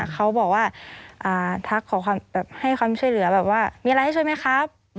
เขาบอกว่าทักให้ความช่วยเหลือแบบว่ามีอะไรให้ช่วยไหมครับ